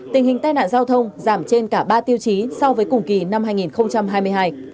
tình hình tai nạn giao thông giảm trên cả ba tiêu chí so với cùng kỳ năm hai nghìn hai mươi hai